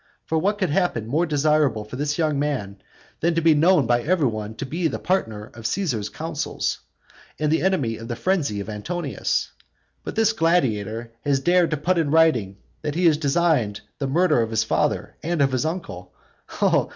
For what could happen more desirable for this young man, than to be known by every one to be the partner of Caesar's counsels, and the enemy of the frenzy of Antonius? But this gladiator has dared to put in writing that he had designed the murder of his father and of his uncle.